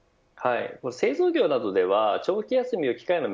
製造業などでは長期休みの期間は